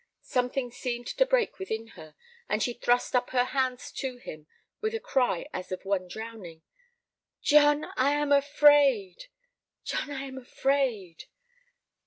Something seemed to break within her, and she thrust up her hands to him with a cry as of one drowning. "John, I am afraid! John, I am afraid!"